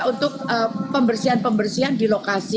karena kita sudah melakukan pembersihan di lokasi